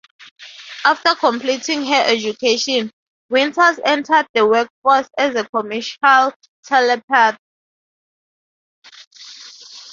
After completing her education, Winters entered the workforce as a commercial telepath.